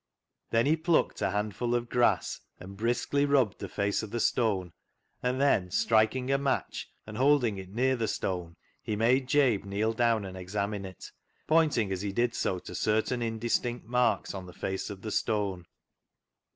Then he plucked a handful of grass and briskly rubbed the face of the stone, and then, striking a match and holding it near the stone, he made Jabe kneel down and examine it, pointing as he did so to certain indistinct marks on the face of the stone.